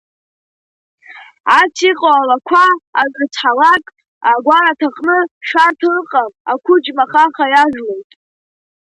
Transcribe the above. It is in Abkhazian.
Ас иҟоу алақәа анрызҳалак агәараҭаҟны шәарҭа ыҟам, ақәыџьма хаха иажәлоит.